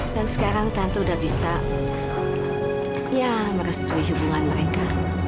sekarang tante udah bisa ya merestui hubungan mereka